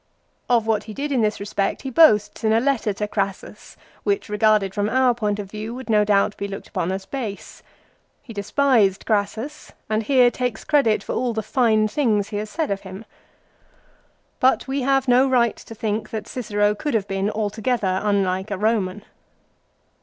Of what he did in this respect he boasts in a letter to Crassus, 1 which regarded from our point of view would no doubt be looked upon as base. He despised Crassus and here takes credit for all the fine things he had said of him. But we have no right to think that Cicero could have been altogether unlike a Eoman.